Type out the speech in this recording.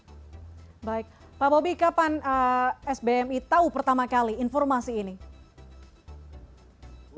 baik pak bobi kapan sbmi tahu pertama kali informasi ini